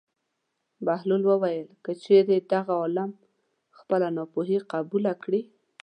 بهلول وویل: که چېرې دغه عالم خپله ناپوهي قبوله کړي.